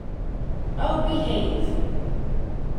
Oh, behave!.